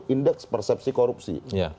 indeks persepsi korupsi